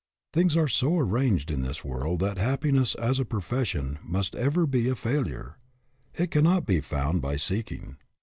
Things are so arranged in this world that happiness as a profession must ever be a fail ure. It cannot be found by seeking.